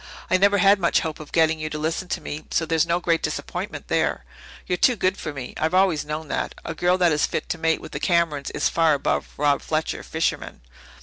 I never had much hope of getting you to listen to me, so there's no great disappointment there. You're too good for me I've always known that. A girl that is fit to mate with the Camerons is far above Rob Fletcher, fisherman."